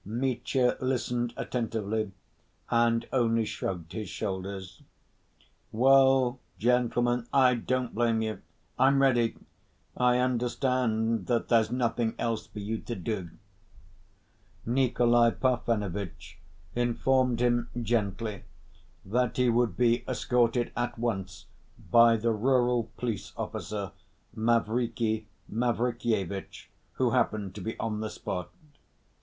Mitya listened attentively, and only shrugged his shoulders. "Well, gentlemen, I don't blame you. I'm ready.... I understand that there's nothing else for you to do." Nikolay Parfenovitch informed him gently that he would be escorted at once by the rural police officer, Mavriky Mavrikyevitch, who happened to be on the spot....